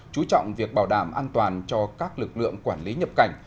chú trọng việc bảo đảm an toàn cho các lực lượng quản lý nhập cảnh